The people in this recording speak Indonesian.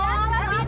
iya selamat ya